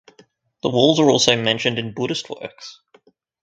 The walls are also mentioned in Buddhist works.